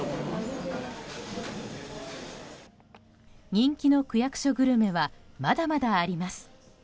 人気の区役所グルメはまだまだあります。